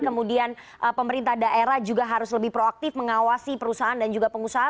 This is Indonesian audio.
kemudian pemerintah daerah juga harus lebih proaktif mengawasi perusahaan dan juga pengusaha